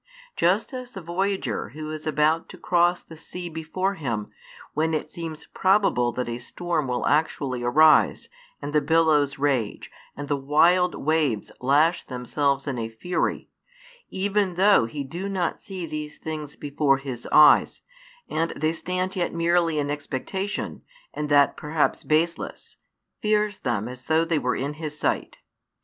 Just as the voyager who is about to cross the sea before him, when it seems probable that a storm will actually arise, and the billows rage, and the wild waves lash themselves in fury, even though he do not see these things before his eyes, and they stand yet merely in expectation, and that perhaps baseless, fears them as though they were in his sight.